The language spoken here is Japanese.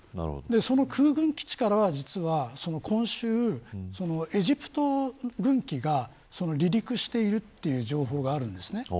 その空軍基地からは実は今週、エジプト軍機が離陸しているという情報があるんです。